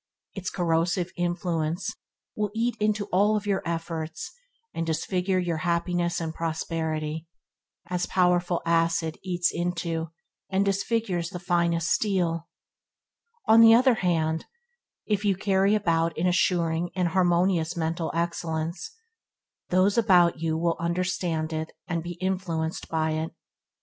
Its corrosive influence will eat into all your efforts, and disfigure your happiness and prosperity, as powerful acid eats into and disfigures the finest steel. On the other hand, if you carry about an assuring and harmonious mental excellence, it needs no that those about you understand it to be influenced by it.